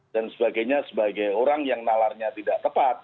dan sebagainya sebagai orang yang nalarnya tidak tepat